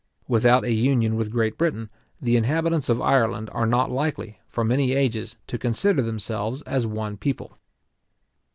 Without a union with Great Britain, the inhabitants of Ireland are not likely, for many ages, to consider themselves as one people.